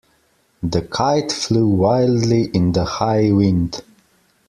The kite flew wildly in the high wind.